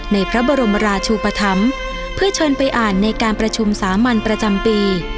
ในพระบรมราชูปธรรมเพื่อเชิญไปอ่านในการประชุมสามัญประจำปี